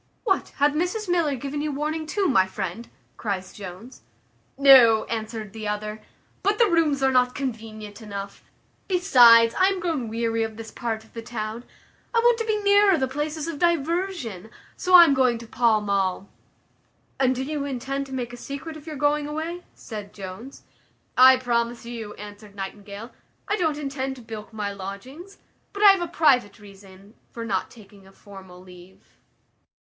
"What, hath Mrs Miller given you warning too, my friend?" cries Jones. "No," answered the other; "but the rooms are not convenient enough. Besides, I am grown weary of this part of the town. I want to be nearer the places of diversion; so I am going to Pall mall." "And do you intend to make a secret of your going away?" said Jones. "I promise you," answered Nightingale, "I don't intend to bilk my lodgings; but I have a private reason for not taking a formal leave."